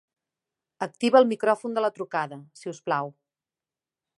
Activa el micròfon de la trucada, sisplau.